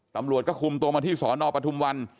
ตำรวจก็คุมตัวมาที่สนปทุมวัน